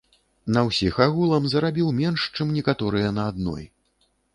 На ўсіх агулам зарабіў менш, чым некаторыя на адной.